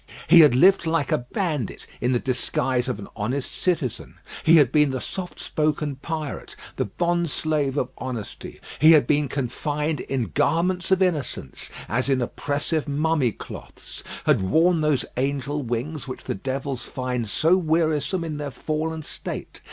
He had lived like a bandit in the disguise of an honest citizen. He had been the soft spoken pirate; the bond slave of honesty. He had been confined in garments of innocence, as in oppressive mummy cloths; had worn those angel wings which the devils find so wearisome in their fallen state.